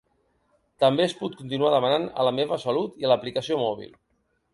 També es pot continuar demanant a “La meva salut” i a l’aplicació mòbil.